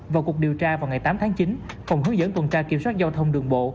vào cuộc điều tra vào ngày tám tháng chín phòng hướng dẫn tuần tra kiểm soát giao thông đường bộ